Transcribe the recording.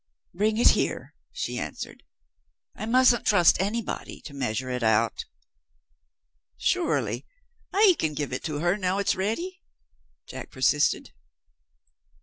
"Bring it here," she answered; "I mustn't trust anybody to measure it out. "Surely I can give it to her, now it's ready?" Jack persisted.